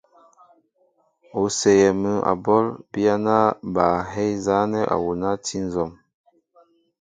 O séyɛɛ mŭ a ɓɔl, biyana ba hɛy nzanɛɛ awuna a ti nzɔm.